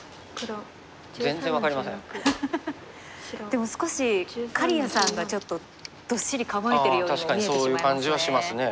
でも少し刈谷さんがちょっとどっしり構えてるようにも見えてしまいますね。